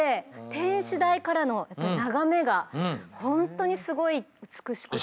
天守台からの眺めがほんとにすごい美しくって。